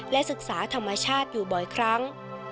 ศึกษาธรรมชาติอยู่บ่อยครั้ง